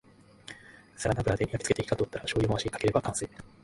サラダ油で焼きつけて火が通ったらしょうゆを回しかければ完成